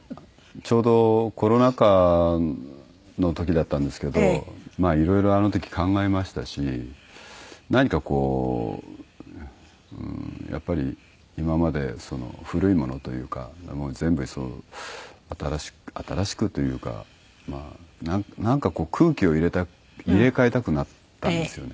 ちょうどコロナ禍の時だったんですけどいろいろあの時考えましたし何かこうやっぱり今まで古いものというかもう全部いっそ新しく新しくというかなんか空気を入れ替えたくなったんですよね。